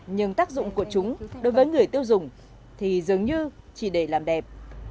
nhưng tác dụng của chúng đối với người tiêu dùng thì dường như chỉ để làm đẹp